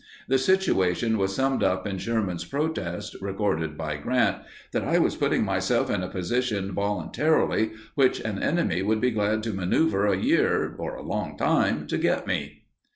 The situation was summed up in Sherman's protest, recorded by Grant, "that I was putting myself in a position voluntarily which an enemy would be glad to maneuver a year—or a long time—to get me."